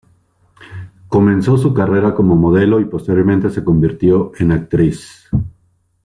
Comenzó su carrera como modelo y posteriormente se convirtió en actriz.